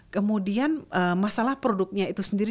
kemudian masalah produknya itu sendiri